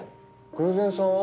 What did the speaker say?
偶然さんは？